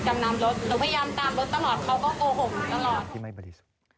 หนูพยายามตามรถตลอดเขาก็โกหกตลอด